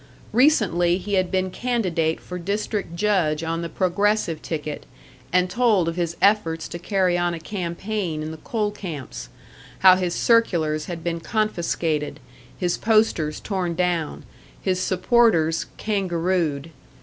Recently he had been candidate for district judge on the Progressive ticket, and told of his efforts to carry on a campaign in the coal camps how his circulars had been confiscated, his posters torn down, his supporters "kangarooed."